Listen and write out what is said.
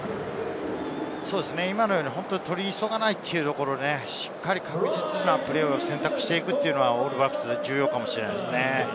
今のように取り急がないというところ、しっかり確実なプレーを選択していくのがオールブラックスにとって重要なのかもしれません。